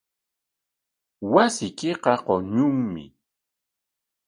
Wasiykiqa quñunmi.